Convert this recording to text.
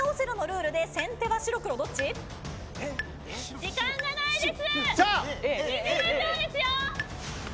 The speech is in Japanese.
時間がないです。